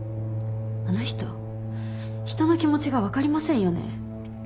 あの人人の気持ちが分かりませんよね？